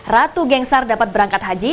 ratu gengsar dapat berangkat haji